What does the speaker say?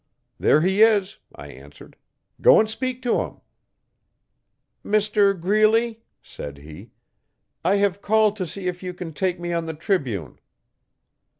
'There he is,' I answered, 'go and speak to him.' 'Mr Greeley,' said he, 'I have called to see if you can take me on the Tribune.'